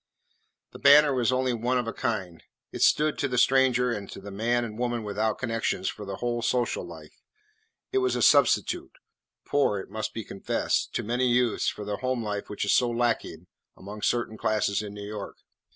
The Banner was only one of a kind. It stood to the stranger and the man and woman without connections for the whole social life. It was a substitute poor, it must be confessed to many youths for the home life which is so lacking among certain classes in New York.